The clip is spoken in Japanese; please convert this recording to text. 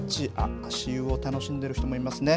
足湯を楽しんでいる人もいますね。